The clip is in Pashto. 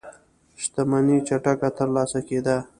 شتمنۍ چټکه ترلاسه کېده.